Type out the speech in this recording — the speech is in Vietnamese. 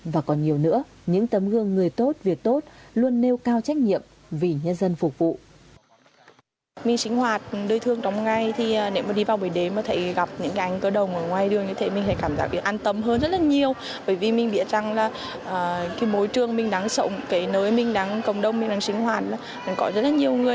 và còn nhiều nữa những tấm gương người tốt việc tốt luôn nêu cao trách nhiệm vì nhân dân phục vụ